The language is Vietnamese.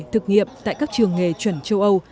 thực nghiệm tại các trường nghề chuẩn châu âu